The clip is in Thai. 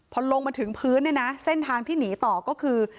พอลงมาถึงพื้นเนี่ยนะเส้นทางที่หนีต่อก็คือ